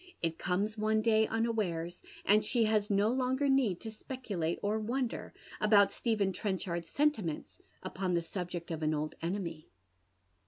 It comes one day unawares, and she has no longer need to speculate or wonder about Stephen Trenchard's serilimenis upon cue sub ject of an old enemy.